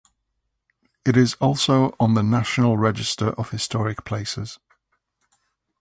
It is also on the National Register of Historic Places.